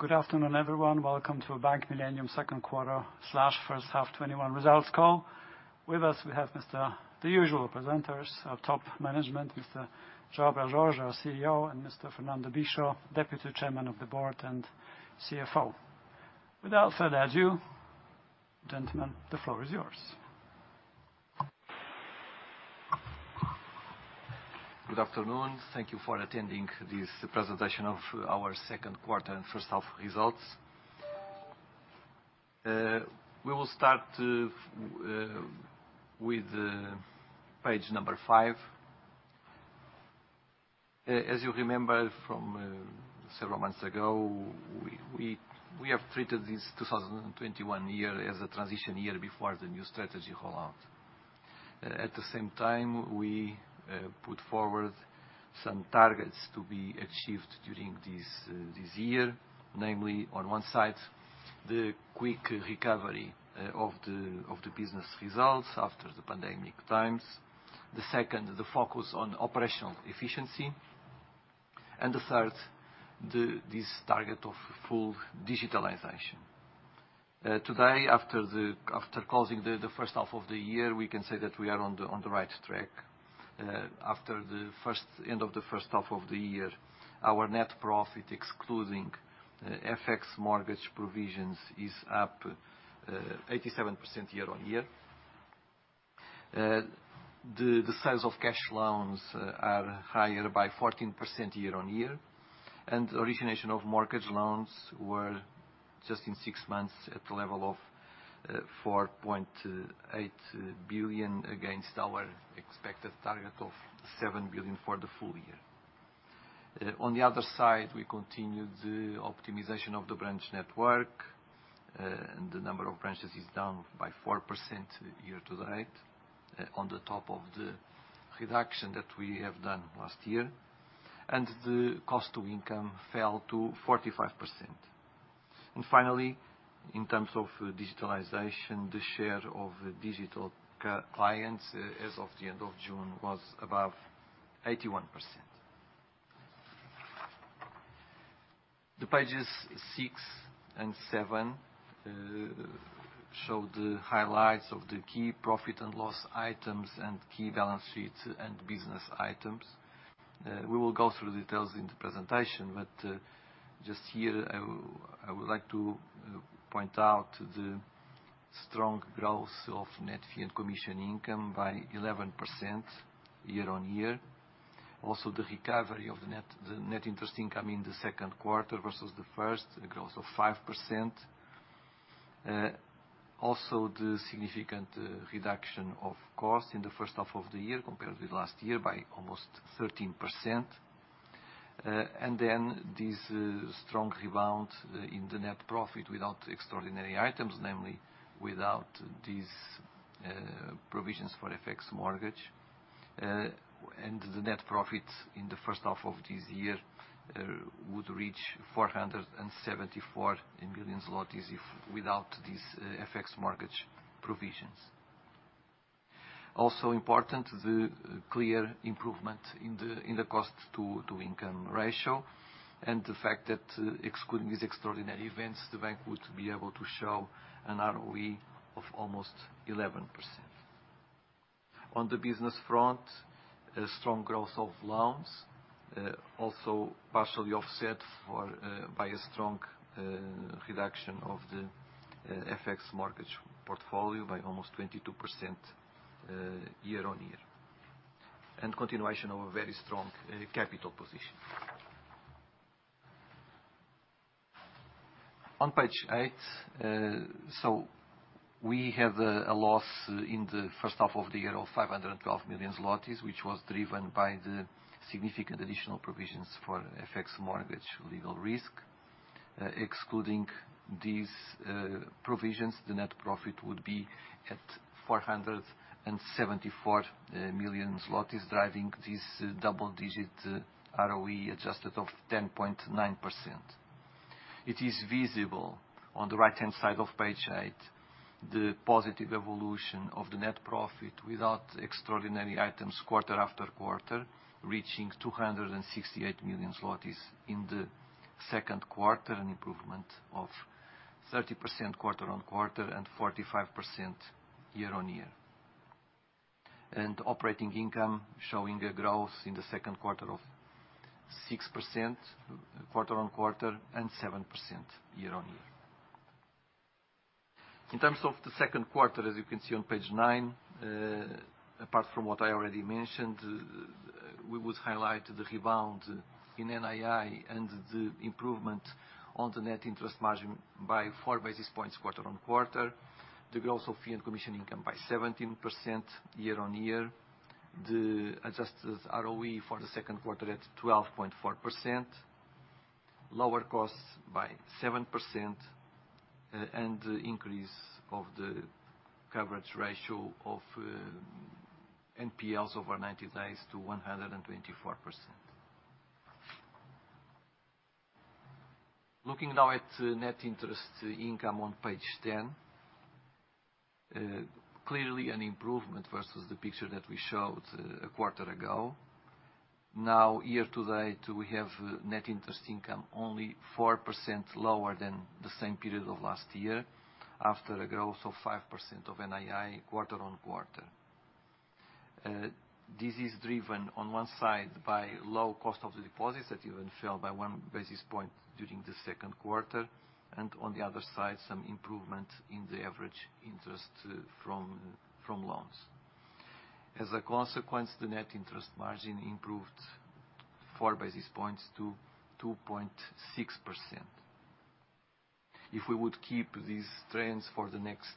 Good afternoon, everyone. Welcome to Bank Millennium Second Quarter/First Half 2021 Results Call. With us, we have the usual presenters, our top management, Mr. João Brás Jorge, our CEO, and Mr. Fernando Bicho, Deputy Chairman of the Management Board and CFO. Without further ado, gentlemen, the floor is yours. Good afternoon. Thank you for attending this presentation of our second quarter and first half results. We will start with page number five. As you remember from several months ago, we have treated this 2021 year as a transition year before the new strategy rollout. At the same time, we put forward some targets to be achieved during this year, namely, on one side, the quick recovery of the business results after the pandemic times. The second, the focus on operational efficiency, and the third, this target of full digitalization. Today, after closing the first half of the year, we can say that we are on the right track. After the end of the first half of the year, our net profit, excluding FX mortgage provisions, is up 87% year-on-year. The sales of cash loans are higher by 14% year-on-year. Origination of mortgage loans were just in six months at the level of 4.8 billion against our expected target of 7 billion for the full year. On the other side, we continued the optimization of the branch network. The number of branches is down by 4% year-to-date on top of the reduction that we have done last year. The cost to income fell to 45%. Finally, in terms of digitalization, the share of digital clients as of the end of June was above 81%. The pages six and seven show the highlights of the key profit and loss items and key balance sheets and business items. We will go through the details in the presentation, just here I would like to point out the strong growth of net fee and commission income by 11% year-on-year. The recovery of the net interest income in the second quarter versus the first, a growth of 5%. The significant reduction of cost in the first half of the year compared with last year by almost 13%. This strong rebound in the net profit without extraordinary items, namely, without these provisions for FX mortgage. The net profit in the first half of this year would reach 474 million zlotys without these FX mortgage provisions. Important, the clear improvement in the cost to income ratio and the fact that excluding these extraordinary events, the bank would be able to show an ROE of almost 11%. On the business front, a strong growth of loans also partially offset by a strong reduction of the FX mortgage portfolio by almost 22% year-on-year. Continuation of a very strong capital position. On page eight, we have a loss in the first half of the year of 512 million zlotys, which was driven by the significant additional provisions for FX mortgage legal risk. Excluding these provisions, the net profit would be at 474 million zlotys, driving this double-digit ROE adjusted of 10.9%. It is visible on the right-hand side of page eight, the positive evolution of the net profit without extraordinary items quarter after quarter, reaching 268 million zlotys in the second quarter, an improvement of 30% quarter-on-quarter and 45% year-on-year. Operating income showing a growth in the second quarter of 6% quarter-on-quarter and 7% year-on-year. In terms of the second quarter, as you can see on page nine, apart from what I already mentioned, we would highlight the rebound in NII and the improvement on the net interest margin by four basis points quarter-on-quarter. The growth of fee and commission income by 17% year-on-year. The adjusted ROE for the second quarter at 12.4%. Lower costs by 7% and increase of the coverage ratio of NPLs over 90 days to 124%. Looking now at net interest income on page 10. Clearly an improvement versus the picture that we showed a quarter ago. Now, year-to-date, we have net interest income only 4% lower than the same period of last year, after a growth of 5% of NII quarter-on-quarter. This is driven on one side by low cost of the deposits that even fell by one basis point during the second quarter and on the other side, some improvement in the average interest from loans. As a consequence, the net interest margin improved four basis points to 2.6%. If we would keep these trends for the next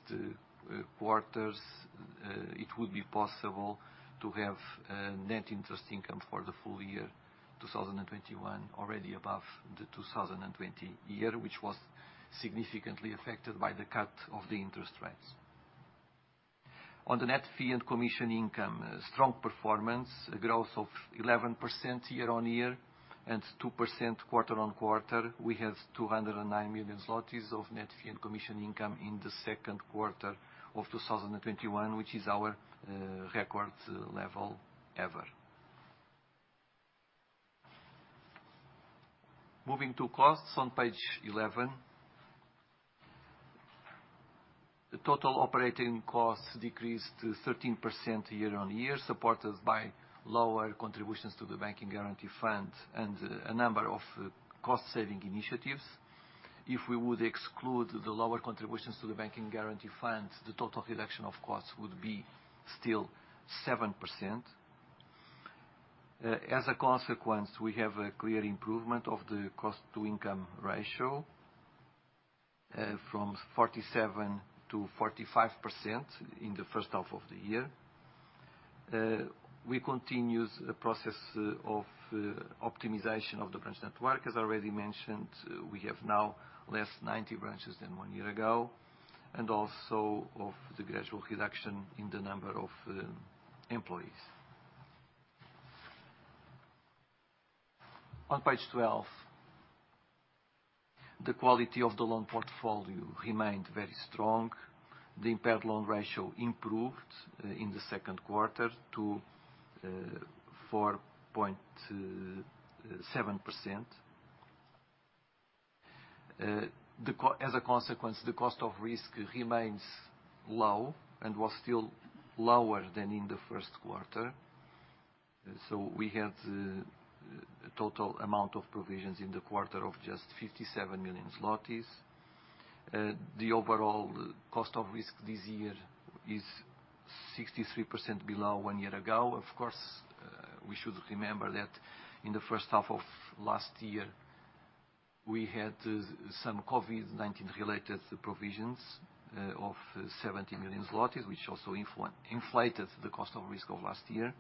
quarters, it would be possible to have net interest income for the full year 2021 already above the 2020 year, which was significantly affected by the cut of the interest rates. On the net fee and commission income, strong performance, a growth of 11% year-on-year and 2% quarter-on-quarter. We have 209 million zlotys of net fee and commission income in the second quarter of 2021, which is our record level ever. Moving to costs on page 11. The total operating costs decreased to 13% year-on-year, supported by lower contributions to the Bank Guarantee Fund and a number of cost saving initiatives. If we would exclude the lower contributions to the Bank Guarantee Fund, the total reduction of costs would be still 7%. As a consequence, we have a clear improvement of the cost to income ratio from 47% to 45% in the first half of the year. We continue the process of optimization of the branch network. As already mentioned, we have now less 90 branches than one year ago, and also of the gradual reduction in the number of employees. On page 12, the quality of the loan portfolio remained very strong. The impaired loan ratio improved in the second quarter to 4.7%. As a consequence, the cost of risk remains low and was still lower than in the first quarter. We had a total amount of provisions in the quarter of just 57 million zlotys. The overall cost of risk this year is 63% below one year ago. Of course, we should remember that in the first half of last year, we had some COVID-19 related provisions of 70 million zlotys, which also inflated the cost of risk of last year.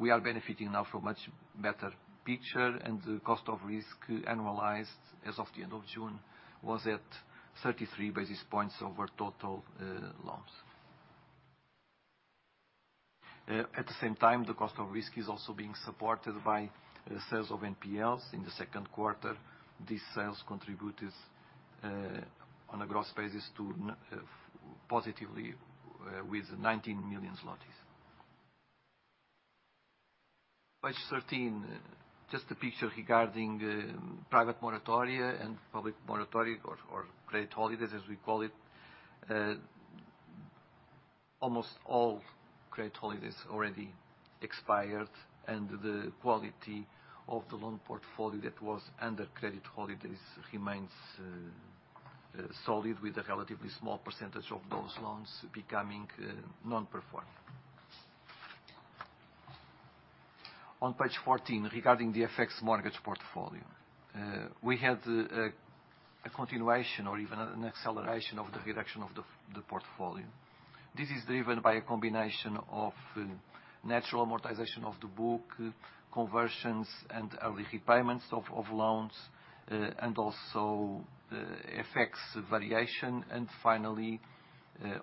We are benefiting now from much better picture and the cost of risk annualized as of the end of June was at 33 basis points over total loans. At the same time, the cost of risk is also being supported by sales of NPLs in the second quarter. These sales contributed on a gross basis to positively with PLN 19 million. Page 13, just a picture regarding private moratoria and public moratoria or credit holidays, as we call it. Almost all credit holidays already expired and the quality of the loan portfolio that was under credit holidays remains solid with a relatively small percentage of those loans becoming non-performing. On page 14, regarding the FX mortgage portfolio. We had a continuation or even an acceleration of the reduction of the portfolio. This is driven by a combination of natural amortization of the book, conversions and early repayments of loans, and also FX variation. Finally,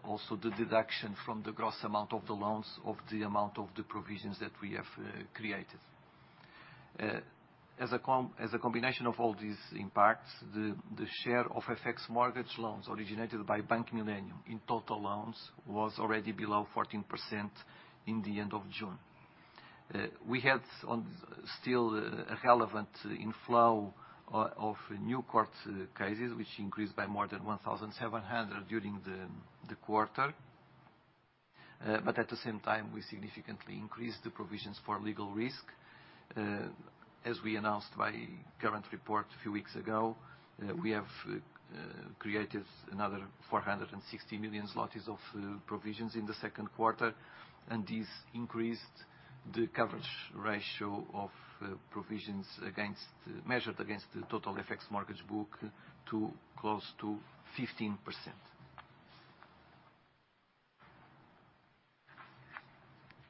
also the deduction from the gross amount of the loans of the amount of the provisions that we have created. As a combination of all these impacts, the share of FX mortgage loans originated by Bank Millennium in total loans was already below 14% in the end of June. We had still a relevant inflow of new court cases which increased by more than 1,700 during the quarter. At the same time, we significantly increased the provisions for legal risk. As we announced by current report a few weeks ago, we have created another 460 million zlotys of provisions in the second quarter. This increased the coverage ratio of provisions measured against the total FX mortgage book to close to 15%.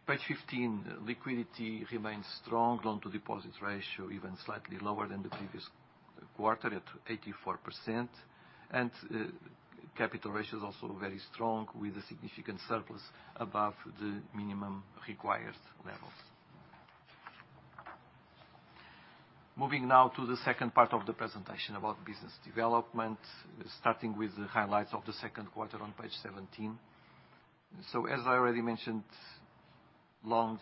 Page 15, liquidity remains strong. Loan to deposit ratio even slightly lower than the previous quarter at 84%. Capital ratio is also very strong with a significant surplus above the minimum required levels. Moving now to the second part of the presentation about business development, starting with the highlights of the second quarter on page 17. As I already mentioned, loans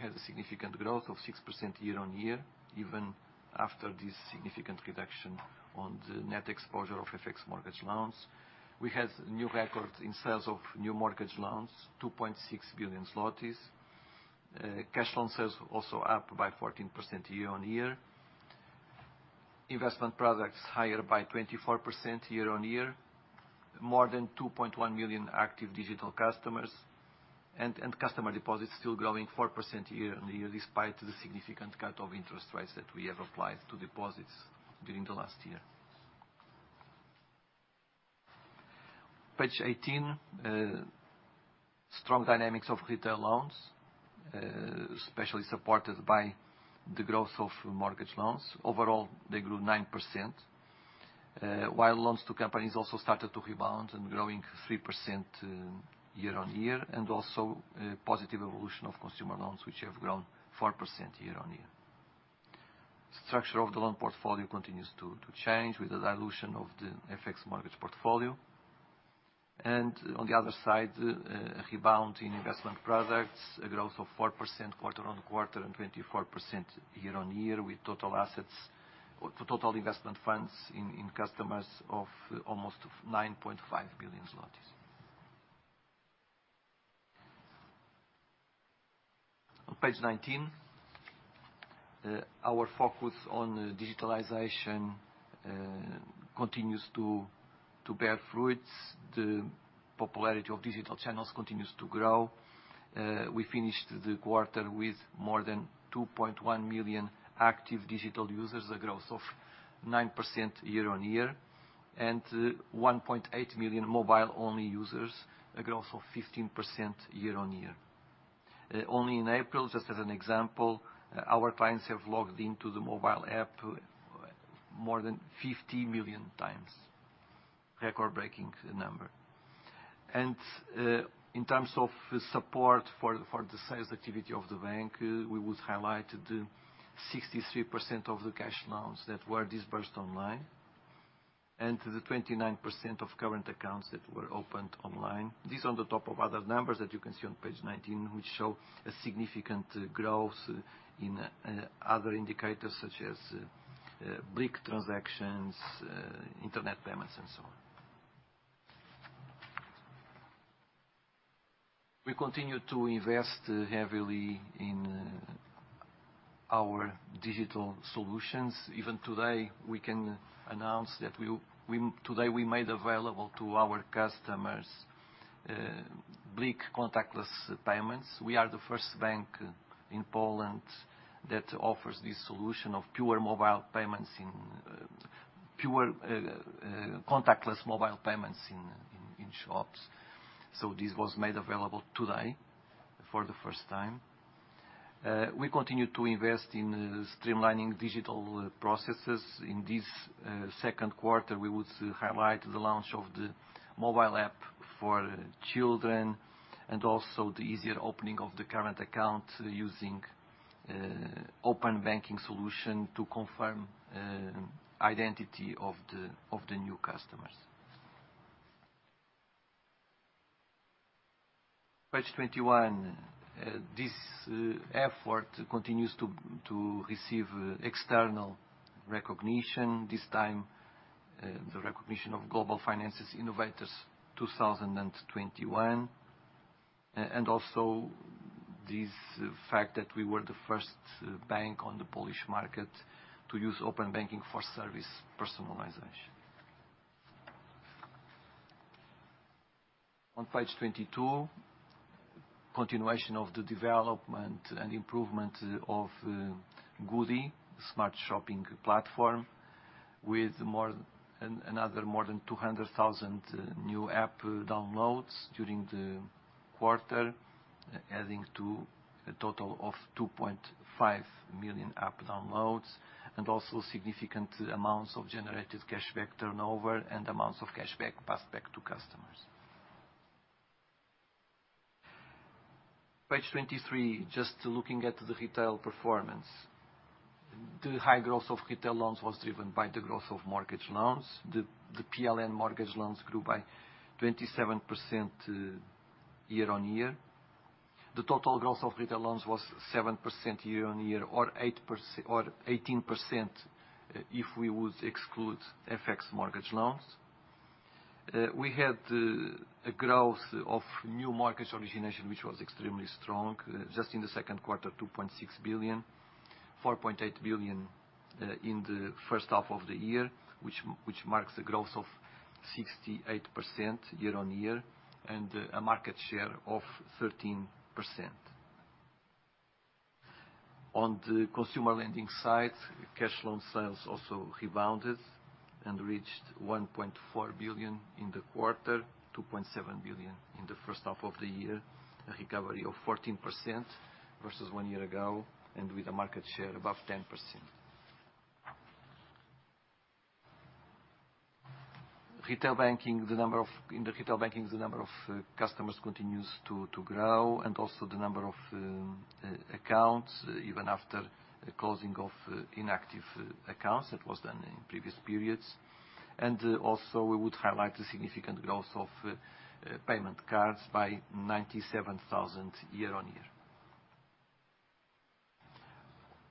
had a significant growth of 6% year-on-year, even after this significant reduction on the net exposure of FX mortgage loans. We had new records in sales of new mortgage loans, 2.6 billion zlotys. Cash loan sales also up by 14% year-on-year. Investment products higher by 24% year-on-year. More than 2.1 million active digital customers, and customer deposits still growing 4% year-on-year, despite the significant cut of interest rates that we have applied to deposits during the last year. Page 18. Strong dynamics of retail loans, especially supported by the growth of mortgage loans. Overall, they grew 9%, while loans to companies also started to rebound and growing 3% year-on-year, and also a positive evolution of consumer loans, which have grown 4% year-on-year. Structure of the loan portfolio continues to change with the dilution of the FX mortgage portfolio. On the other side, a rebound in investment products, a growth of 4% quarter-on-quarter and 24% year-on-year with total investment funds in customers of almost PLN 9.5 billion. On page 19, our focus on digitalization continues to bear fruits. The popularity of digital channels continues to grow. We finished the quarter with more than 2.1 million active digital users, a growth of 9% year-on-year, and 1.8 million mobile-only users, a growth of 15% year-on-year. Only in April, just as an example, our clients have logged into the mobile app more than 50 million times. Record-breaking number. In terms of support for the sales activity of the bank, we would highlight the 63% of the cash loans that were disbursed online and the 29% of current accounts that were opened online. This on the top of other numbers that you can see on page 19, which show a significant growth in other indicators such as BLIK transactions, internet payments, and so on. We continue to invest heavily in our digital solutions. Even today, we can announce that today we made available to our customers BLIK contactless payments. We are the first bank in Poland that offers this solution of pure contactless mobile payments in shops. This was made available today for the first time. We continue to invest in streamlining digital processes. In this second quarter, we would highlight the launch of the mobile app for children and also the easier opening of the current account using open banking solution to confirm identity of the new customers. Page 21. This effort continues to receive external recognition, this time the recognition of Global Finance's The Innovators 2021, and also this fact that we were the first bank on the Polish market to use open banking for service personalization. On page 22, continuation of the development and improvement of goodie, smart shopping platform, with another more than 200,000 new app downloads during the quarter, adding to a total of 2.5 million app downloads, and also significant amounts of generated cashback turnover and amounts of cashback passed back to customers. Page 23, just looking at the retail performance. The high growth of retail loans was driven by the growth of mortgage loans. The PLN mortgage loans grew by 27% year-on-year. The total growth of retail loans was 7% year-on-year or 18% if we would exclude FX mortgage loans. We had a growth of new mortgage origination, which was extremely strong. Just in the second quarter, 2.6 billion, 4.8 billion in the first half of the year, which marks a growth of 68% year-on-year and a market share of 13%. On the consumer lending side, cash loan sales also rebounded and reached 1.4 billion in the quarter, 2.7 billion in the first half of the year, a recovery of 14% versus one year ago, and with a market share above 10%. In the retail banking, the number of customers continues to grow, and also the number of accounts, even after the closing of inactive accounts that was done in previous periods. Also we would highlight the significant growth of payment cards by 97,000 year-on-year.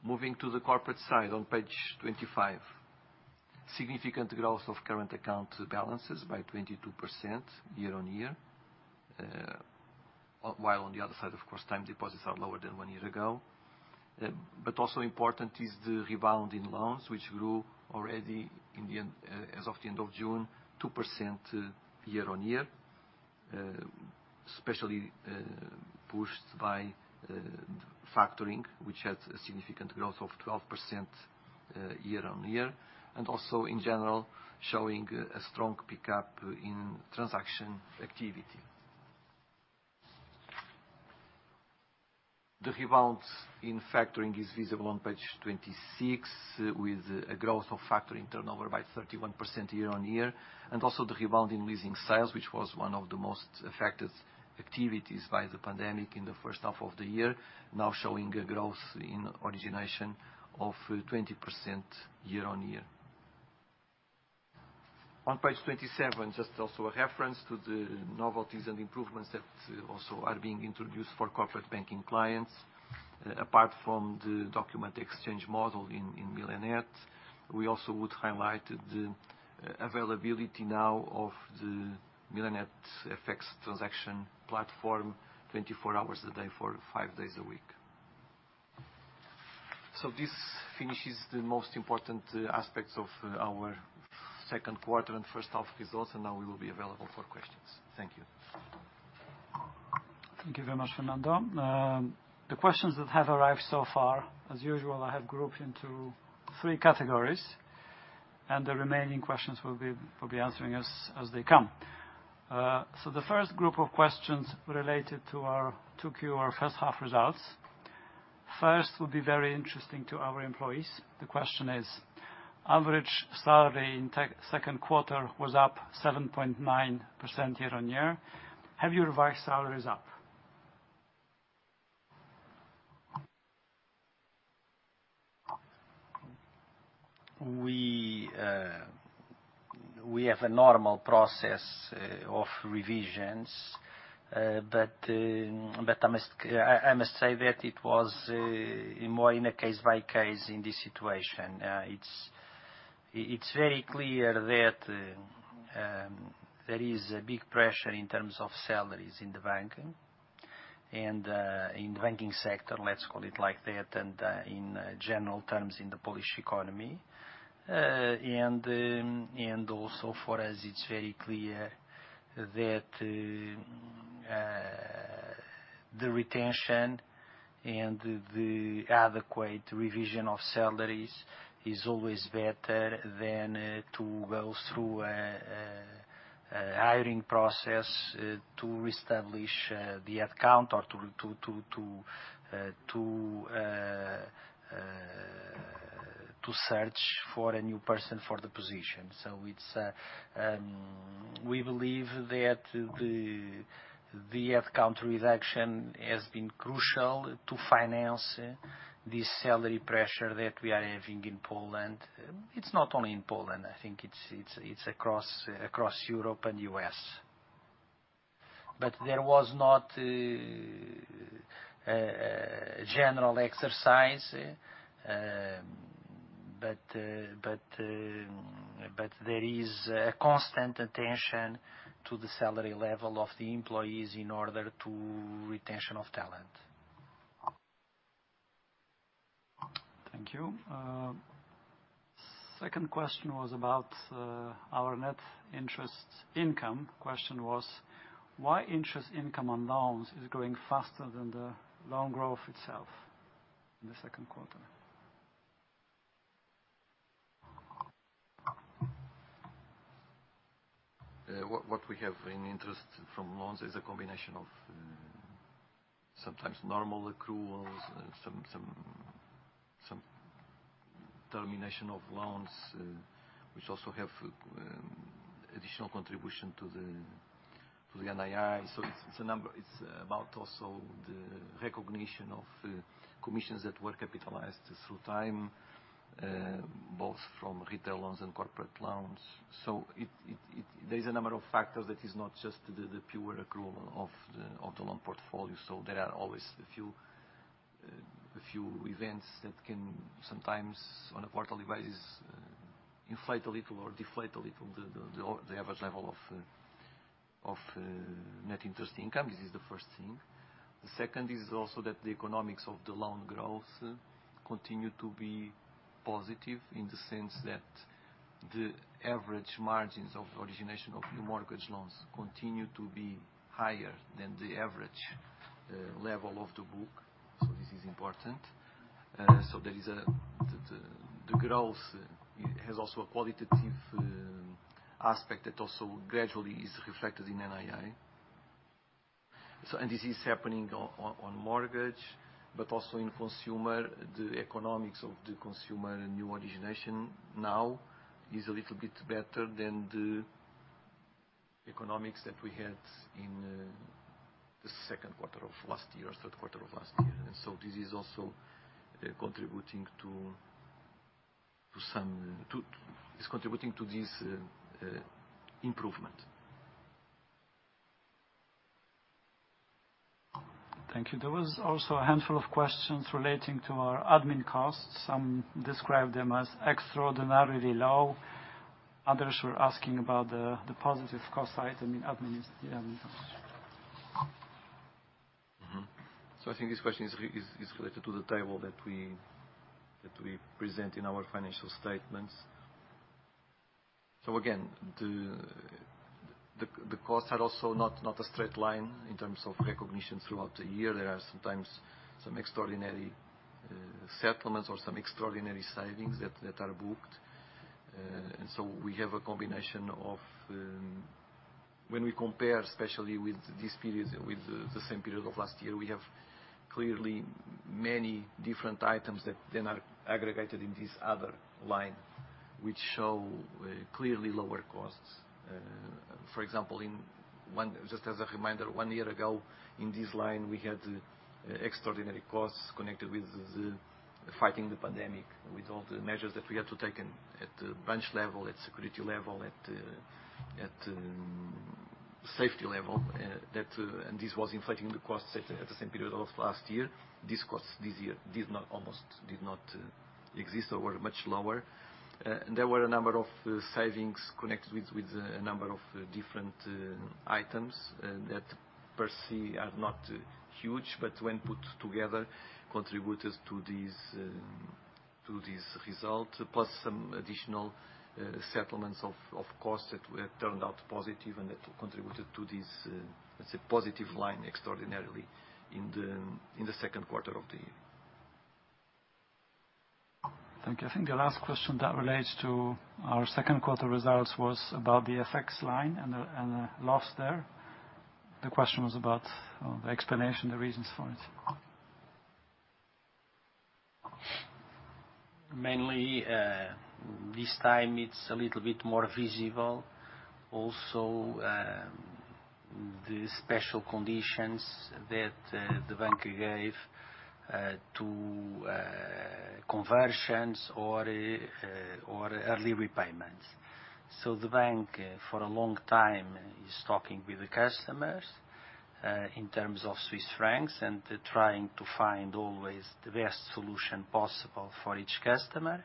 Moving to the corporate side on Page 25. Significant growth of current account balances by 22% year-on-year. While on the other side, of course, time deposits are lower than one year ago. Also important is the rebound in loans, which grew already as of the end of June, 2% year-on-year, especially pushed by factoring, which has a significant growth of 12% year-on-year. Also, in general, showing a strong pickup in transaction activity. The rebound in factoring is visible on Page 26 with a growth of factoring turnover by 31% year-on-year, and also the rebound in leasing sales, which was one of the most affected activities by the pandemic in the first half of the year, now showing a growth in origination of 20% year-on-year. On Page 27, just also a reference to the novelties and improvements that also are being introduced for corporate banking clients. Apart from the document exchange model in Millennium, we also would highlight the availability now of the Millennium FX transaction platform 24 hours a day for five days a week. This finishes the most important aspects of our second quarter and first half results, and now we will be available for questions. Thank you. Thank you very much, Fernando. The questions that have arrived so far, as usual, I have grouped into three categories, and the remaining questions we'll be answering as they come. The first group of questions related to our 2Q, our first half results. First will be very interesting to our employees. The question is average salary in second quarter was up 7.9% year-on-year. Have you revised salaries up? We have a normal process of revisions, but I must say that it was more in a case by case in this situation. It's very clear that there is a big pressure in terms of salaries in the banking, and in the banking sector, let's call it like that, and in general terms in the Polish economy. Also for us, it's very clear that the retention and the adequate revision of salaries is always better than to go through a hiring process to reestablish the headcount or to search for a new person for the position. We believe that the headcount reduction has been crucial to finance this salary pressure that we are having in Poland. It's not only in Poland. I think it's across Europe and U.S. There was not a general exercise, but there is a constant attention to the salary level of the employees in order to retention of talent. Thank you. Second question was about our net interest income. Question was, why interest income on loans is growing faster than the loan growth itself in the second quarter? What we have in interest from loans is a combination of sometimes normal accruals, some termination of loans, which also have additional contribution to the NII. It's a number. It's about also the recognition of commissions that were capitalized through time, both from retail loans and corporate loans. There is a number of factors that is not just the pure accrual of the loan portfolio. There are always a few events that can sometimes on a quarterly basis inflate a little or deflate a little the average level of net interest income. This is the first thing. The second is also that the economics of the loan growth continue to be positive in the sense that the average margins of origination of new mortgage loans continue to be higher than the average level of the book. This is important. The growth has also a qualitative aspect that also gradually is reflected in NII. This is happening on mortgage, but also in consumer. The economics of the consumer new origination now is a little bit better than the economics that we had in the second quarter of last year, or third quarter of last year. This is also contributing to this improvement. Thank you. There was also a handful of questions relating to our admin costs. Some described them as extraordinarily low. Others were asking about the positive cost side in admin. I think this question is related to the table that we present in our financial statements. Again, the costs are also not a straight line in terms of recognition throughout the year. There are sometimes some extraordinary settlements or some extraordinary savings that are booked. We have a combination of when we compare, especially with this period with the same period of last year. We have clearly many different items that then are aggregated in this other line, which show clearly lower costs. For example, just as a reminder, one year ago in this line, we had extraordinary costs connected with the fighting the pandemic, with all the measures that we had to take in at the branch level, at security level, at safety level. This was inflating the costs at the same period of last year. These costs this year almost did not exist or were much lower. There were a number of savings connected with a number of different items that per se are not huge, but when put together, contributed to this result. Some additional settlements of costs that turned out positive and that contributed to this, let's say, positive line extraordinarily in the second quarter of the year. Thank you. I think the last question that relates to our second quarter results was about the FX line and the loss there. The question was about the explanation, the reasons for it. Mainly, this time it's a little bit more visible. Also, the special conditions that the Bank gave to conversions or early repayments. The Bank, for a long time, is talking with the customers, in terms of Swiss francs, and trying to find always the best solution possible for each customer.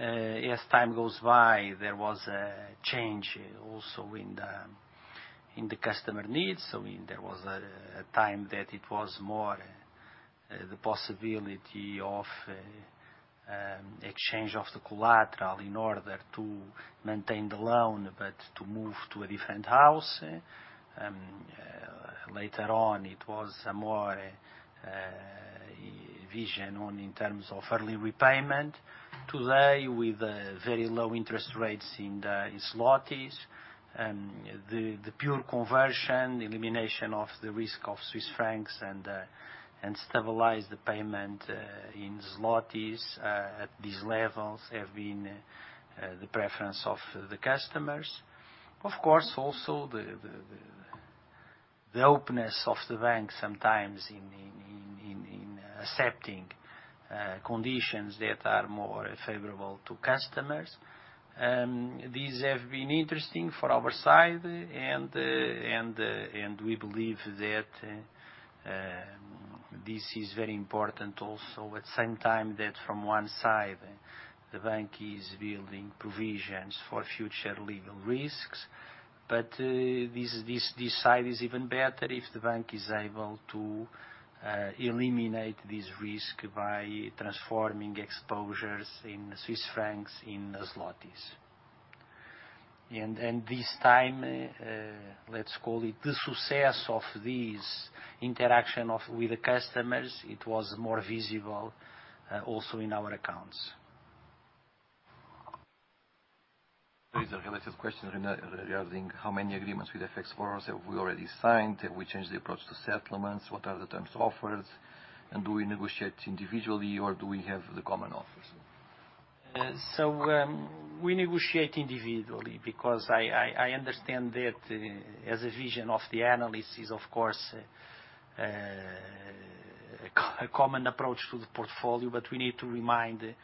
As time goes by, there was a change also in the customer needs. There was a time that it was more the possibility of exchange of the collateral in order to maintain the loan, but to move to a different house. Later on, it was a more vision on in terms of early repayment. Today, with very low interest rates in zlotys the pure conversion, elimination of the risk of Swiss francs and stabilize the payment in zlotys at these levels have been the preference of the customers. Of course, also the openness of the Bank sometimes in accepting conditions that are more favorable to customers. These have been interesting for our side, we believe that this is very important also at same time that from one side, the Bank is building provisions for future legal risks. This side is even better if the Bank is able to eliminate this risk by transforming exposures in Swiss francs in zlotys. This time, let's call it the success of this interaction with the customers, it was more visible also in our accounts. There is a related question regarding how many agreements with FX borrowers have we already signed, have we changed the approach to settlements, what are the terms offered, and do we negotiate individually or do we have the common offers? We negotiate individually because I understand that as a vision of the analysis, of course, a common approach to the portfolio, but we need to remind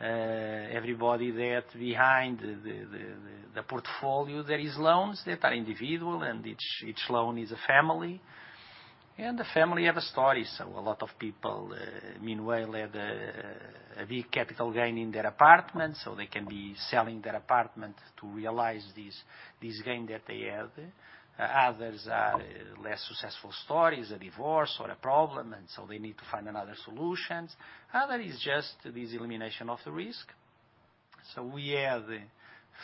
everybody that behind the portfolio, there is loans that are individual and each loan is a family. The family have a story. A lot of people meanwhile had a big capital gain in their apartment, so they can be selling their apartment to realize this gain that they had. Others are less successful stories, a divorce or a problem, and so they need to find another solutions. Other is just this elimination of the risk. We had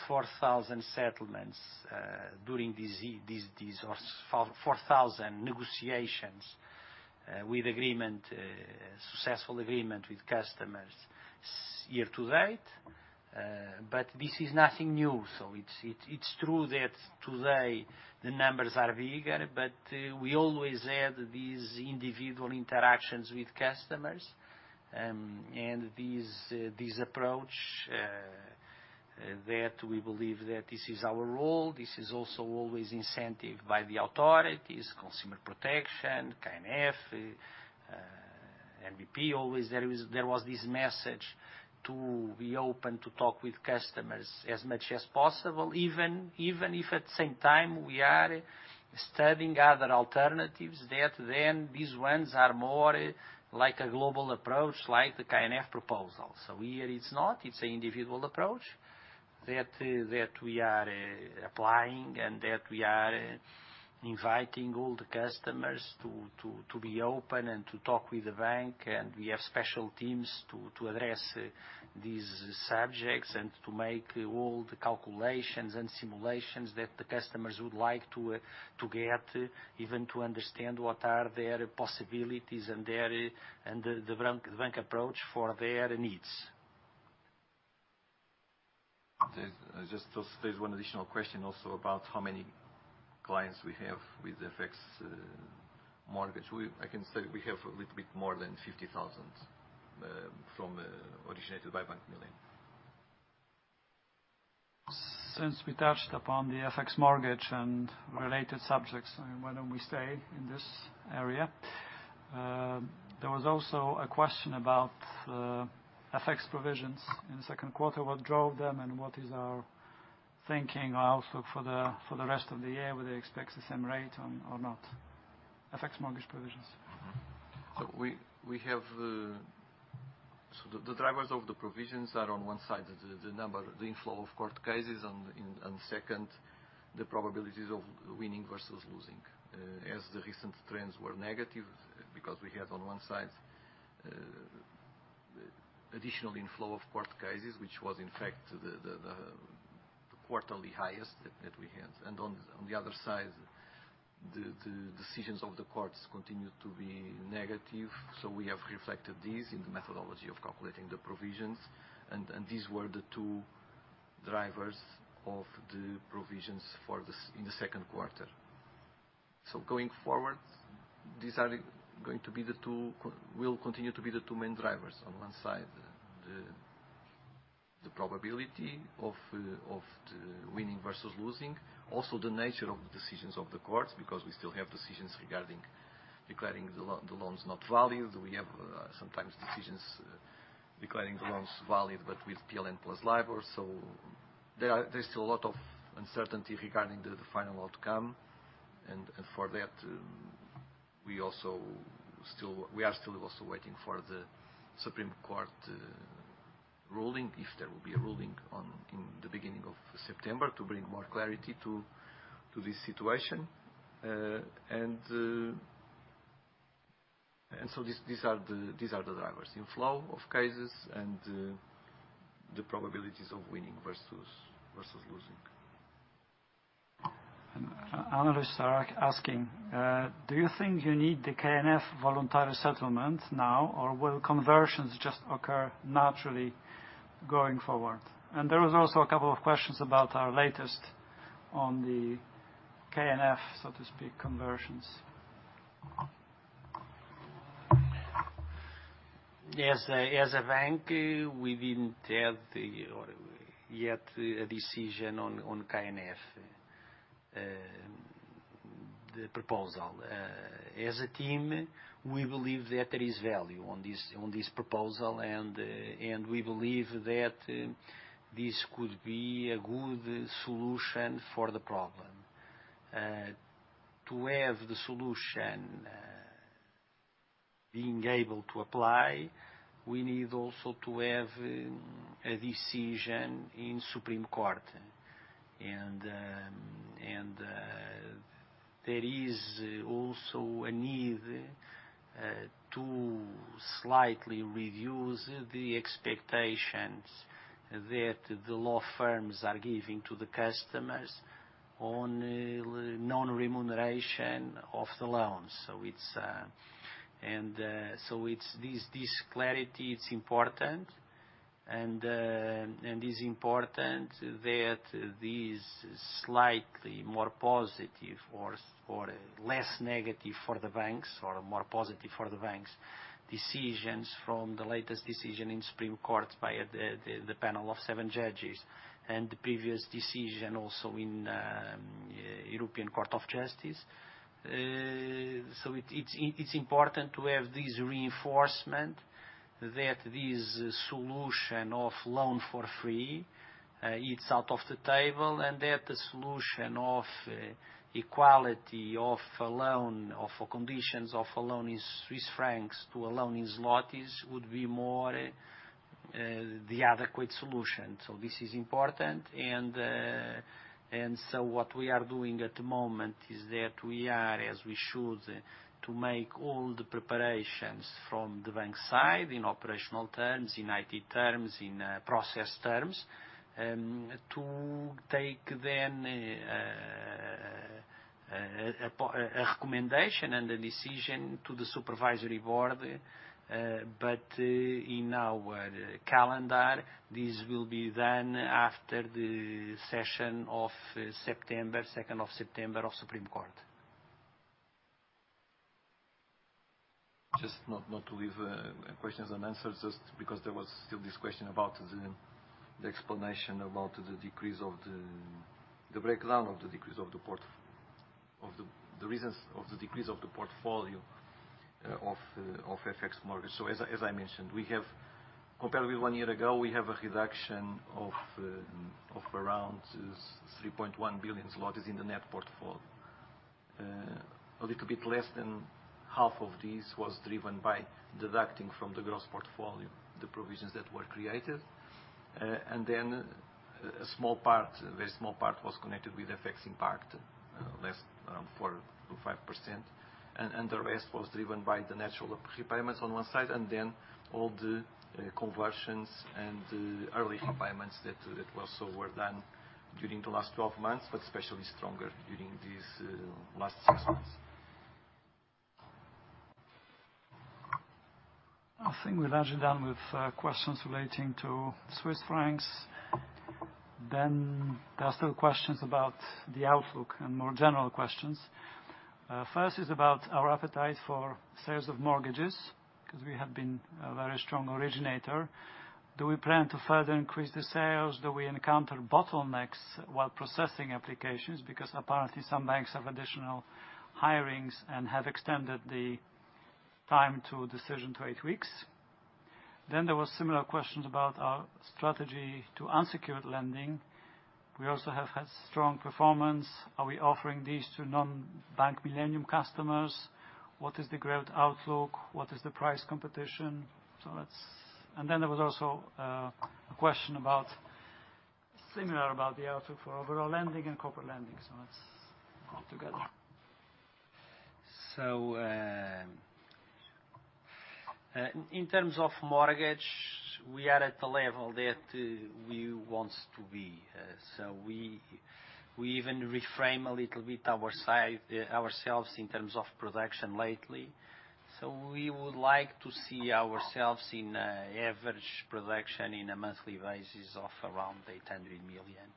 4,000 settlements during these, or 4,000 negotiations with successful agreement with customers year to date. This is nothing new. It's true that today the numbers are bigger, but we always had these individual interactions with customers. This approach that we believe that this is our role. This is also always incented by the authorities, consumer protection, KNF, NBP, always there was this message to be open to talk with customers as much as possible, even if at the same time we are studying other alternatives that then these ones are more like a global approach, like the KNF proposal. Here it's not, it's individual approach that we are applying and that we are inviting all the customers to be open and to talk with the bank. We have special teams to address these subjects and to make all the calculations and simulations that the customers would like to get, even to understand what are their possibilities and the bank approach for their needs. There's one additional question also about how many clients we have with FX mortgage. I can say we have a little bit more than 50,000 from originated by Bank Millennium. Since we touched upon the FX mortgage and related subjects, why don't we stay in this area? There was also a question about FX provisions in the second quarter, what drove them and what is our thinking or outlook for the rest of the year? Whether they expect the same rate or not? FX mortgage provisions. The drivers of the provisions are on one side, the number, the inflow of court cases and second, the probabilities of winning versus losing. As the recent trends were negative because we had on one side additional inflow of court cases, which was in fact the quarterly highest that we had. On the other side, the decisions of the courts continued to be negative. We have reflected this in the methodology of calculating the provisions. These were the two drivers of the provisions in the second quarter. Going forward, these will continue to be the two main drivers. On one side, the probability of the winning versus losing. Also the nature of the decisions of the courts because we still have decisions regarding declaring the loans not valid. We have sometimes decisions declaring the loans valid, but with PLN plus LIBOR. There's still a lot of uncertainty regarding the final outcome, and for that we are still also waiting for the Supreme Court ruling, if there will be a ruling in the beginning of September to bring more clarity to this situation. These are the drivers, inflow of cases and the probabilities of winning versus losing. Analysts are asking, do you think you need the KNF voluntary settlement now or will conversions just occur naturally going forward? There was also a couple of questions about our latest on the KNF, so to speak, conversions. As a bank, we didn't have yet a decision on KNF, the proposal. As a team, we believe there is value on this proposal and we believe that this could be a good solution for the problem. To have the solution being able to apply, we need also to have a decision in Supreme Court. There is also a need to slightly reduce the expectations that the law firms are giving to the customers on non-remuneration of the loans. This clarity, it's important and is important that these slightly more positive or less negative for the banks, or more positive for the banks, decisions from the latest decision in Supreme Court by the panel of seven judges and the previous decision also in European Court of Justice. It's important to have this reinforcement that this solution of loan for free, it's out of the table and that the solution of equality of a loan, of conditions of a loan in Swiss francs to a loan in zlotys would be more the adequate solution. This is important and so what we are doing at the moment is that we are, as we should, to make all the preparations from the bank side in operational terms, in IT terms, in process terms, to take then a recommendation and a decision to the supervisory board. In our calendar, this will be done after the session of September, September 2nd, of Supreme Court. Just not to leave questions unanswered, just because there was still this question about the explanation about the breakdown of the reasons of the decrease of the portfolio of FX mortgage. As I mentioned, compared with one year ago, we have a reduction of around 3.1 billion zlotys in the net portfolio. A little bit less than half of this was driven by deducting from the gross portfolio, the provisions that were created. A very small part was connected with FX impact, less around 4%-5%. The rest was driven by the natural repayments on one side, and then all the conversions and early repayments that also were done during the last 12 months, but especially stronger during these last six months. I think we're largely done with questions relating to Swiss francs. There are still questions about the outlook and more general questions. First is about our appetite for sales of mortgages, because we have been a very strong originator. Do we plan to further increase the sales? Do we encounter bottlenecks while processing applications? Because apparently, some banks have additional hirings and have extended the time to decision to eight weeks. There were similar questions about our strategy to unsecured lending. We also have had strong performance. Are we offering these to non-Bank Millennium customers? What is the growth outlook? What is the price competition? There was also a question similar about the outlook for overall lending and corporate lending. Let's go together. In terms of mortgage, we are at the level that we want to be. We even reframe a little bit ourselves in terms of production lately. We would like to see ourselves in average production in a monthly basis of around 800 million.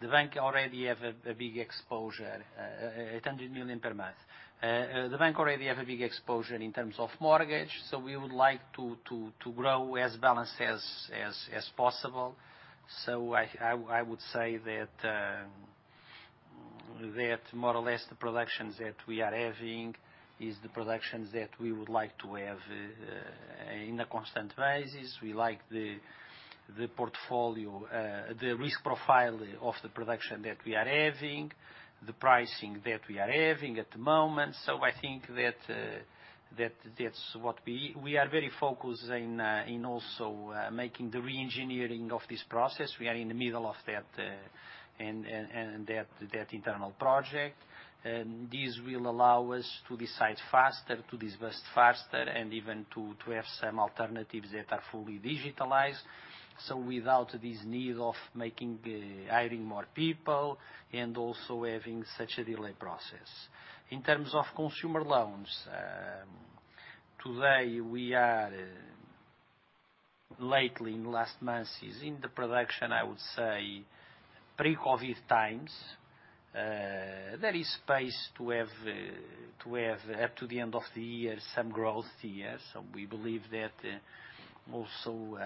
The bank already have a big exposure, 800 million per month. The bank already have a big exposure in terms of mortgage, we would like to grow as balanced as possible. I would say that more or less, the productions that we are having is the productions that we would like to have in a constant basis. We like the risk profile of the production that we are having, the pricing that we are having at the moment. I think that's what we are very focused in also making the re-engineering of this process. We are in the middle of that internal project. This will allow us to decide faster, to disperse faster, and even to have some alternatives that are fully digitalized. Without this need of hiring more people and also having such a delay process. In terms of consumer loans, today we are lately, in last months, is in the production, I would say, pre-COVID times. There is space to have, up to the end of the year, some growth here. We believe that also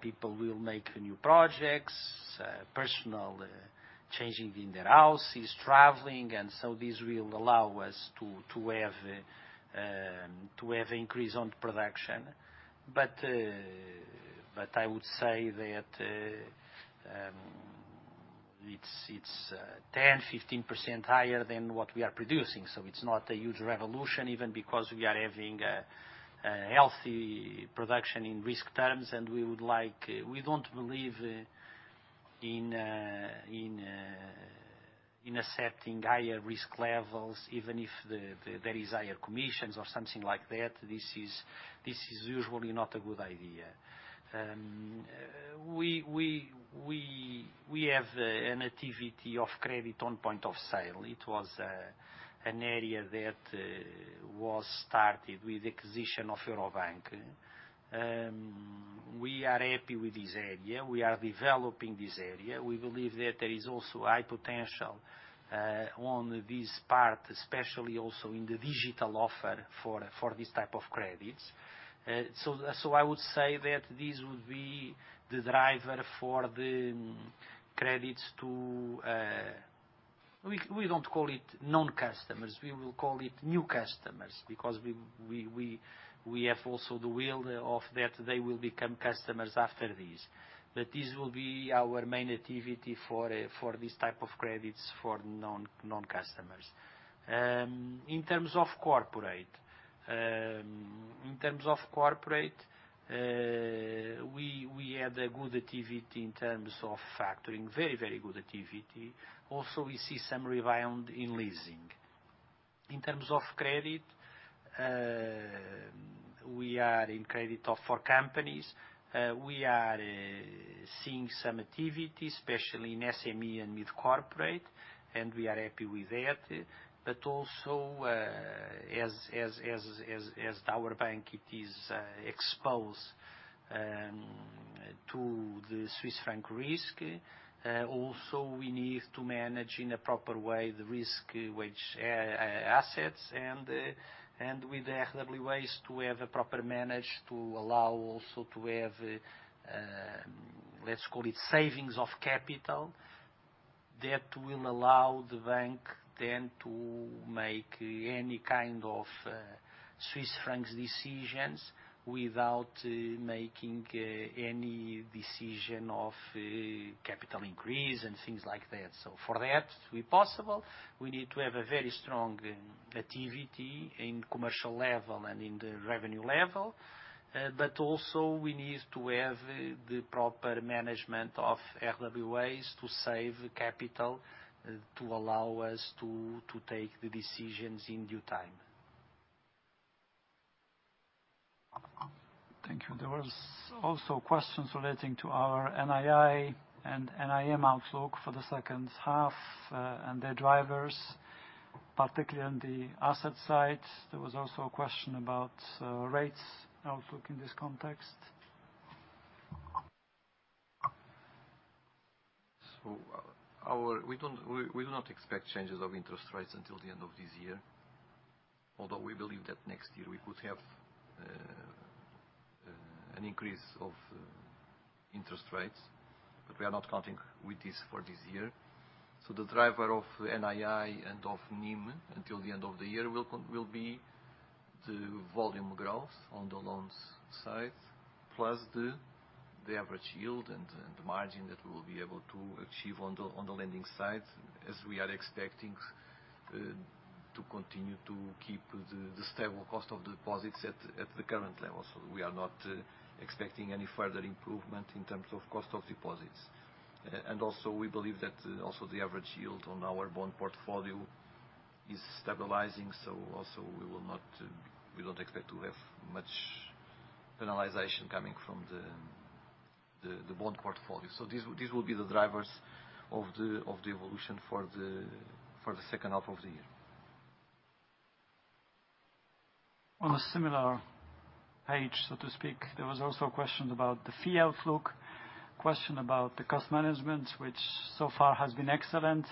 people will make new projects, personal changing in their houses, traveling, and so this will allow us to have increase on production. I would say that it's 10%-15% higher than what we are producing. It's not a huge revolution, even because we are having a healthy production in risk terms. We don't believe in accepting higher risk levels, even if there is higher commissions or something like that. This is usually not a good idea. We have an activity of credit on point of sale. It was an area that was started with acquisition of Euro Bank. We are happy with this area. We are developing this area. We believe that there is also high potential on this part, especially also in the digital offer for this type of credits. I would say that this would be the driver for the credits to, we don't call it non-customers, we will call it new customers, because we have also the will of that they will become customers after this. This will be our main activity for this type of credits for non-customers. In terms of corporate, we had a good activity in terms of factoring. Very good activity. We see some rebound in leasing. In terms of credit, we are in credit for companies. We are seeing some activity, especially in SME and mid-corporate, and we are happy with that. Also, as our bank, it is exposed to the Swiss franc risk. We need to manage in a proper way the Risk-Weighted Assets and with RWAs to have a proper manage to allow also to have, let's call it, savings of capital that will allow the bank then to make any kind of Swiss franc decisions without making any decision of capital increase and things like that. For that to be possible, we need to have a very strong activity in commercial level and in the revenue level. Also, we need to have the proper management of RWAs to save capital to allow us to take the decisions in due time. Thank you. There was also questions relating to our NII and NIM outlook for the second half and their drivers, particularly on the asset side. There was also a question about rates outlook in this context. We do not expect changes of interest rates until the end of this year, although we believe that next year we could have an increase of interest rates. We are not counting with this for this year. The driver of NII and of NIM until the end of the year will be the volume growth on the loans side, plus the average yield and the margin that we will be able to achieve on the lending side, as we are expecting to continue to keep the stable cost of deposits at the current level. We are not expecting any further improvement in terms of cost of deposits. Also, we believe that also the average yield on our bond portfolio is stabilizing, so also, we don't expect to have much penalization coming from the bond portfolio. These will be the drivers of the evolution for the second half of the year. On a similar page, so to speak, there was also a question about the fee outlook, question about the cost management, which so far has been excellent.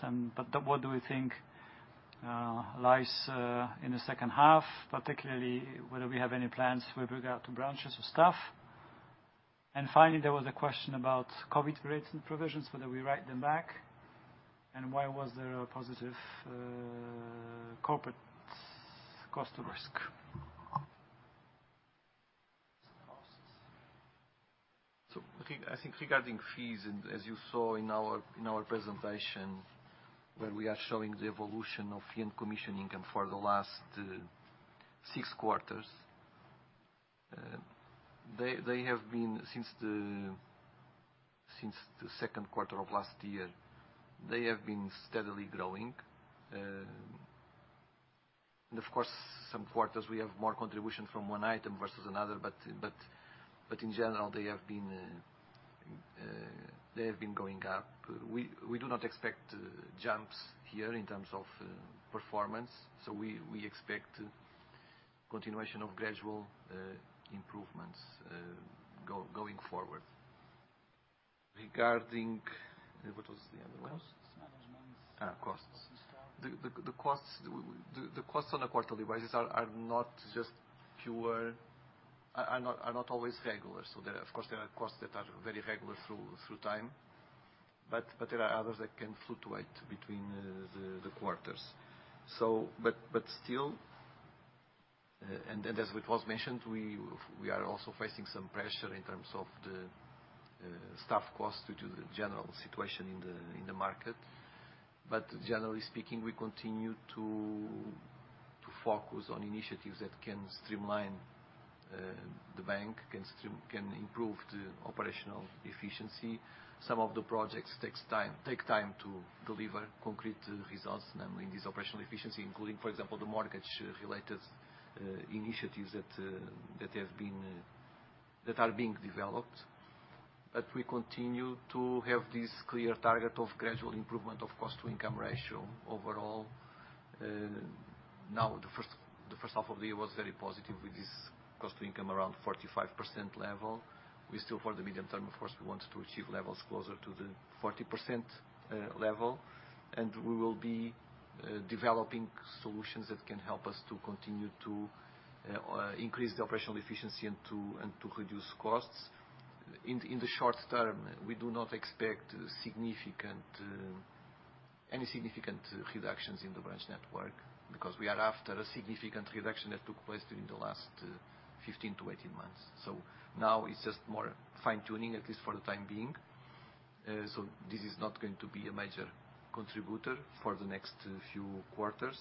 What do we think lies in the second half, particularly whether we have any plans with regard to branches of staff. Finally, there was a question about COVID rates and provisions, whether we write them back, and why was there a positive corporate cost of risk? I think regarding fees, and as you saw in our presentation, where we are showing the evolution of fee and commission income for the last six quarters. Since the second quarter of last year, they have been steadily growing. Of course, some quarters we have more contribution from one item versus another, but in general, they have been going up. We do not expect jumps here in terms of performance. We expect continuation of gradual improvements going forward. Regarding, what was the other one? Costs management. Costs. The costs on a quarterly basis are not always regular. There are, of course, costs that are very regular through time, but there are others that can fluctuate between the quarters. Still, and as it was mentioned, we are also facing some pressure in terms of the staff costs due to the general situation in the market. Generally speaking, we continue to focus on initiatives that can streamline the bank, can improve the operational efficiency. Some of the projects take time to deliver concrete results, namely in this operational efficiency, including, for example, the mortgage-related initiatives that are being developed. We continue to have this clear target of gradual improvement of cost-to-income ratio overall. Now, the first half of the year was very positive with this cost-to-income around 45% level. We still, for the medium term, of course, we want to achieve levels closer to the 40% level, and we will be developing solutions that can help us to continue to increase the operational efficiency and to reduce costs. In the short term, we do not expect any significant reductions in the branch network because we are after a significant reduction that took place during the last 15 to 18 months. Now it's just more fine-tuning, at least for the time being. This is not going to be a major contributor for the next few quarters,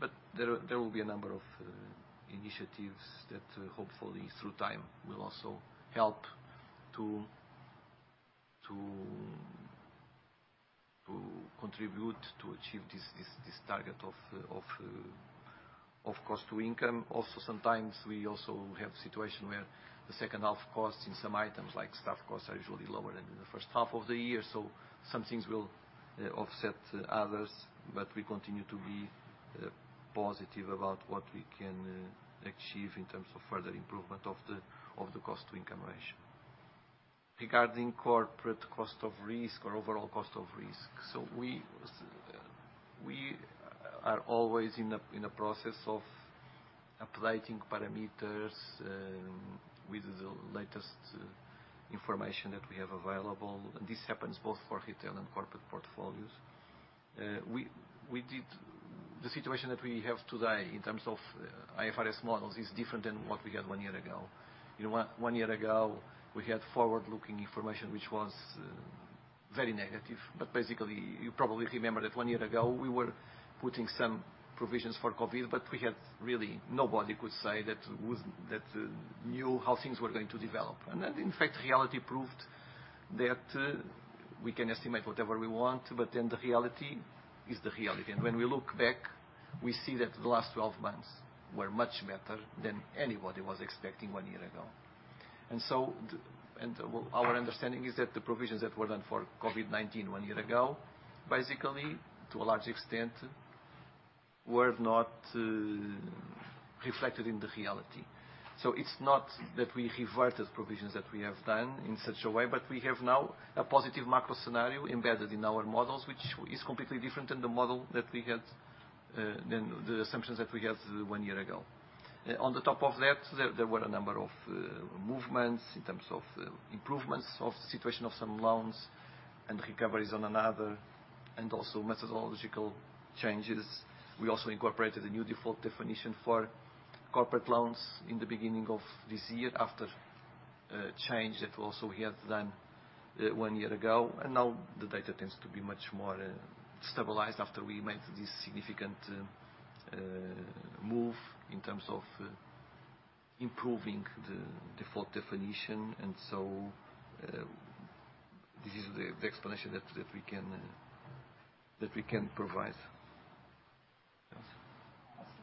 but there will be a number of initiatives that hopefully through time will also help to contribute to achieve this target of cost to income. Sometimes we also have situation where the second half costs in some items like staff costs are usually lower than in the first half of the year. Some things will offset others, but we continue to be positive about what we can achieve in terms of further improvement of the cost to income ratio. Regarding corporate cost of risk or overall cost of risk, we are always in the process of applying parameters with the latest information that we have available. This happens both for retail and corporate portfolios. The situation that we have today in terms of IFRS models is different than what we had one year ago. One year ago, we had forward-looking information, which was very negative. Basically, you probably remember that one year ago, we were putting some provisions for COVID, but really nobody could say that knew how things were going to develop. In fact, reality proved that we can estimate whatever we want, but then the reality is the reality. When we look back, we see that the last 12 months were much better than anybody was expecting one year ago. Our understanding is that the provisions that were done for COVID-19 one year ago, basically to a large extent, were not reflected in the reality. It's not that we reverted provisions that we have done in such a way, but we have now a positive macro scenario embedded in our models, which is completely different than the assumptions that we had one year ago. On the top of that, there were a number of movements in terms of improvements of the situation of some loans and recoveries on another, and also methodological changes. We also incorporated a new default definition for corporate loans in the beginning of this year after a change that also we had done one year ago. Now the data tends to be much more stabilized after we made this significant move in terms of improving the default definition. This is the explanation that we can provide.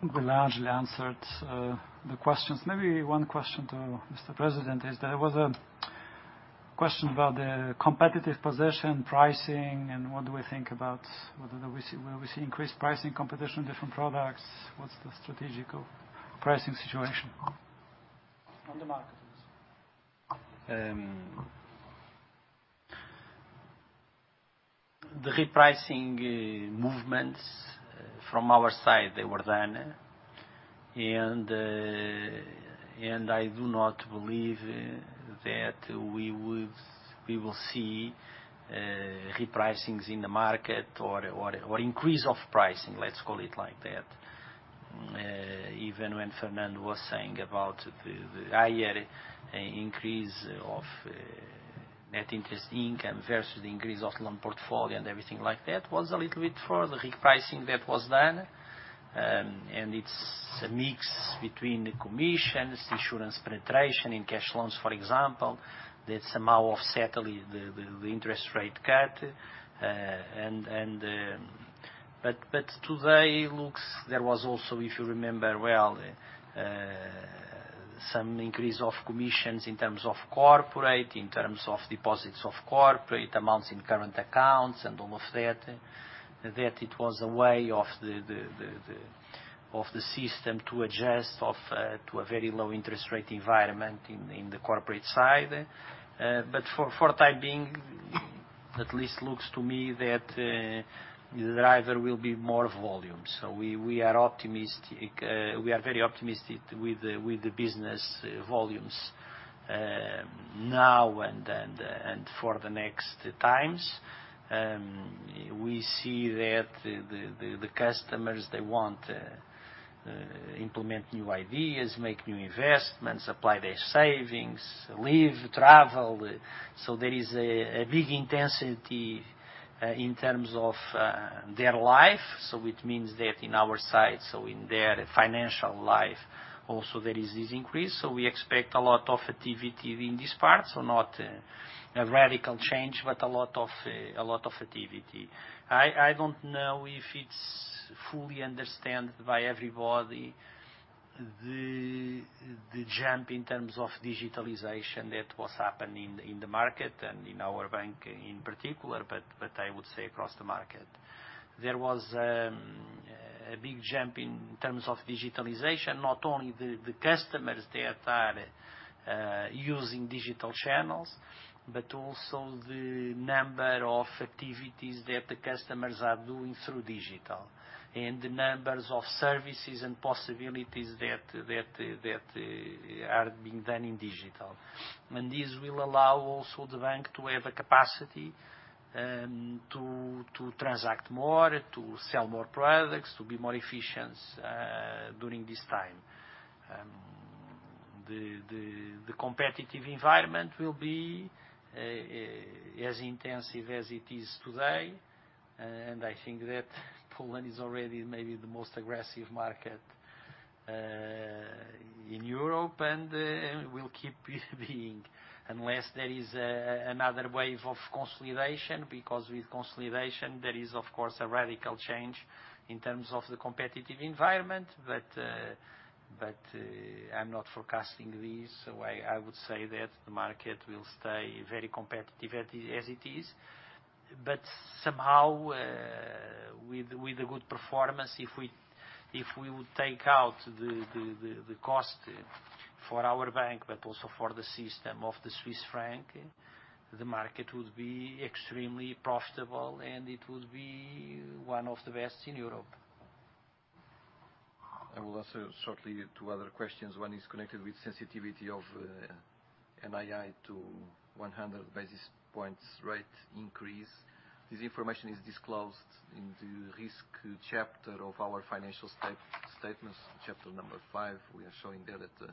I think we largely answered the questions. Maybe one question to Mr. President is there was a question about the competitive position pricing and what do we think about whether we see increased pricing competition, different products, what's the strategic pricing situation? On the market. The repricing movements from our side, they were done. I do not believe that we will see repricings in the market or increase of pricing, let's call it like that. Even when Fernando was saying about the higher increase of net interest income versus the increase of loan portfolio and everything like that, was a little bit for the repricing that was done. It's a mix between the commissions, insurance penetration in cash loans, for example, that somehow offset the interest rate cut. Today looks, there was also, if you remember well, some increase of commissions in terms of corporate, in terms of deposits of corporate, amounts in current accounts and all of that. That it was a way of the system to adjust to a very low-interest rate environment in the corporate side. For time being, at least looks to me that the driver will be more volume. We are very optimistic with the business volumes now and for the next times. We see that the customers, they want to implement new ideas, make new investments, apply their savings, live, travel. There is a big intensity in terms of their life. It means that in our side, so in their financial life also, there is this increase. We expect a lot of activity in this part. Not a radical change, but a lot of activity. I don't know if it's fully understood by everybody the jump in terms of digitalization that was happening in the market and in our bank in particular, but I would say across the market. There was a big jump in terms of digitalization, not only the customers that are using digital channels, but also the number of activities that the customers are doing through digital. The numbers of services and possibilities that are being done in digital. This will allow also the Bank to have a capacity to transact more, to sell more products, to be more efficient during this time. The competitive environment will be as intensive as it is today. I think that Poland is already maybe the most aggressive market in Europe, and will keep being, unless there is another wave of consolidation, because with consolidation, there is, of course, a radical change in terms of the competitive environment. I'm not forecasting this. I would say that the market will stay very competitive as it is. Somehow, with a good performance, if we would take out the cost for our bank, but also for the system of the Swiss franc, the market would be extremely profitable, and it would be one of the best in Europe. I will answer shortly two other questions. One is connected with sensitivity of NII to 100 basis points rate increase. This information is disclosed in the risk chapter of our financial statements, chapter number five. We are showing there that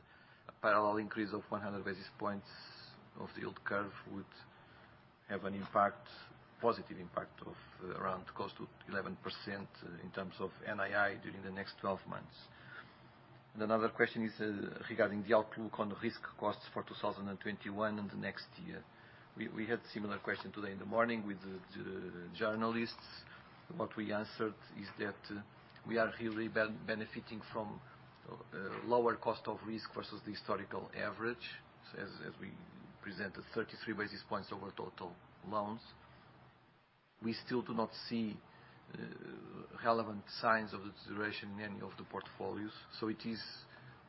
a parallel increase of 100 basis points of the yield curve would have a positive impact of around close to 11% in terms of NII during the next 12 months. Another question is regarding the outlook on risk costs for 2021 and the next year. We had similar question today in the morning with the journalists. What we answered is that we are really benefiting from lower cost of risk versus the historical average, as we presented 33 basis points over total loans. We still do not see relevant signs of deterioration in any of the portfolios. It is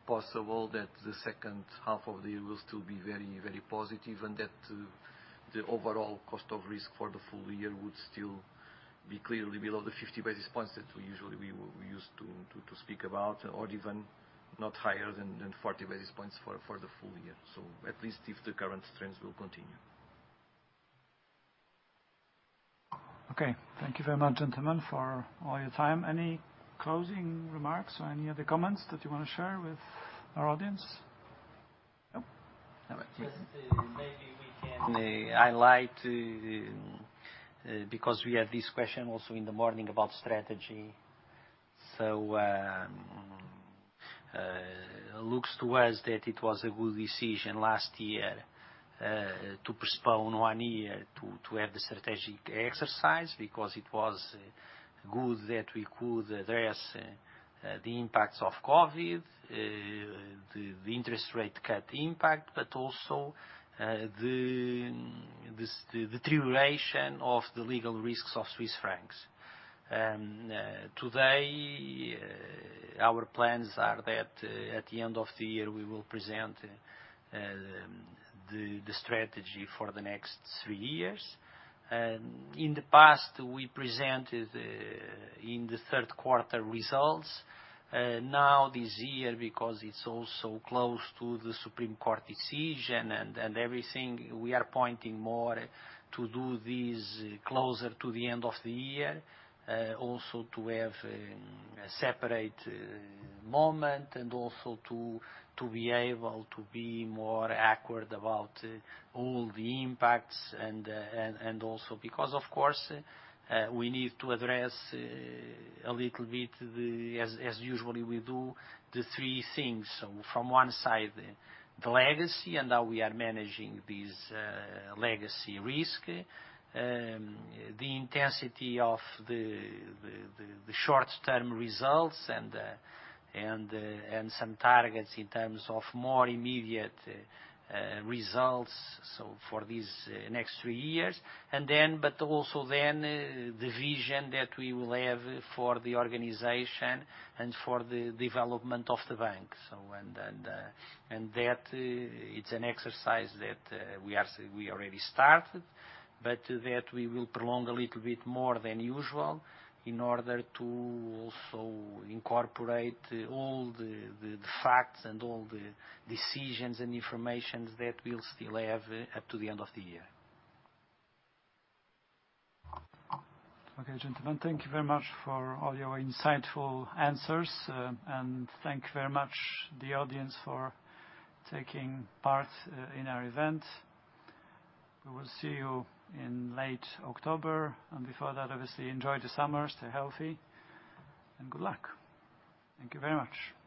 possible that the second half of the year will still be very positive and that the overall cost of risk for the full year would still be clearly below the 50 basis points that we usually use to speak about or even not higher than 40 basis points for the full year. At least if the current trends will continue. Okay. Thank you very much, gentlemen, for all your time. Any closing remarks or any other comments that you want to share with our audience? No. All right. Just maybe we can highlight, because we had this question also in the morning about strategy. Looks to us that it was a good decision last year, to postpone one year to have the strategic exercise because it was good that we could address the impacts of COVID, the interest rate cut impact, but also this deterioration of the legal risks of Swiss francs. Today, our plans are that at the end of the year, we will present the strategy for the next three years. In the past, we presented in the third quarter results. Now this year, because it's also close to the Supreme Court decision and everything, we are pointing more to do this closer to the end of the year. To have a separate moment and also to be able to be more accurate about all the impacts and also because, of course, we need to address a little bit, as usually we do, the three things. From one side, the legacy, and how we are managing this legacy risk. The intensity of the short-term results and some targets in terms of more immediate results, for these next three years. Also, then the vision that we will have for the organization and for the development of the bank. That it's an exercise that we already started, but that we will prolong a little bit more than usual in order to also incorporate all the facts and all the decisions and information that we'll still have up to the end of the year. Okay, gentlemen. Thank you very much for all your insightful answers, and thank you very much the audience for taking part in our event. We will see you in late October, and before that, obviously, enjoy the summer, stay healthy, and good luck. Thank you very much.